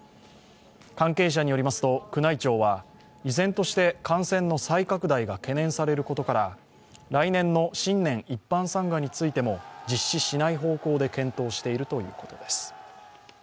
関係者によりますと、宮内庁は依然として感染の再拡大が懸念されることから来年の新年一般参賀についても実施しない方向で検討しているということです。